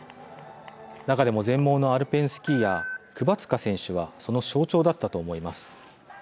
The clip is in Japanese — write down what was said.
中でも全盲のアルペンスキーヤークバツカ選手はその象徴だったと思います。